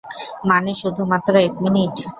মানে শুধু মাত্র এক মিনিট?